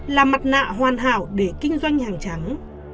là mặt nạ hoàn hảo để kinh doanh hàng trắng